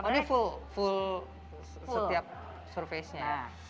ini full setiap surface nya ya